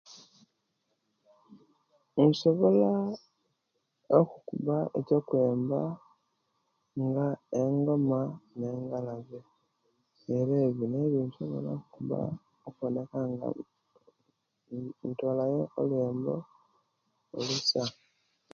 Nsobola okukuba ekyokwembe nga ngoma negalabe era byo bwensobola kukuba okubonekanga ntolayo lwembo oluusa.